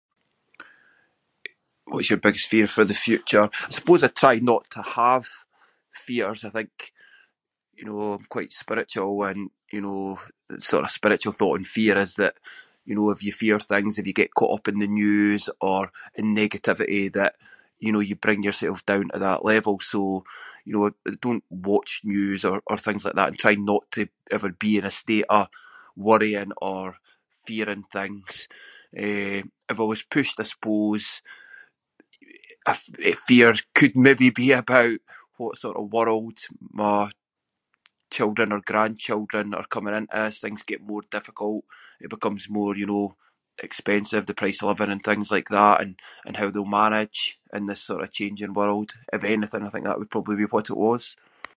What’s your biggest fear for the future? I suppose I try not to have fears. I think, you know, I’m quite spiritual and, you know, the sort of spiritual thought on fear is that, you know, if you fear things, if you get caught up in the news or in negativity that, you know, you bring yourself down to that level, so, you know, I don’t watch news or- or things like that. I try not to ever be in a state of worrying or fearing things. Eh, I've always pushed, I suppose, a- fear could maybe be about what sort of world my children or grandchildren are coming into as things get more difficult. It becomes more, you know, expensive, the price of living and things like that and- and how they’ll manage in this sort of changing world. If anything I think that would probably be what it was.